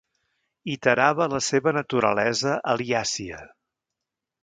Iterava la seva naturalesa al·liàcia.